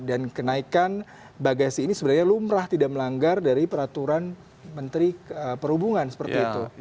dan kenaikan bagasi ini sebenarnya lumrah tidak melanggar dari peraturan menteri perhubungan seperti itu